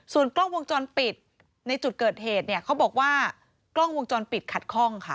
ส่วนกล้องวงจรปิดในจุดเกิดเหตุเนี่ยเขาบอกว่ากล้องวงจรปิดขัดข้องค่ะ